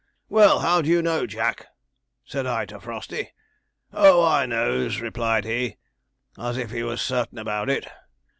'"Well, how do you know, Jack?" said I to Frosty. "Oh, I knows," replied he, as if he was certain about it.